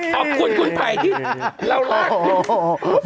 ทั้งคุณสาม